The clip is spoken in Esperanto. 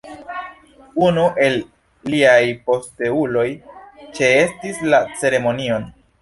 Unu el liaj posteuloj ĉeestis la ceremonion.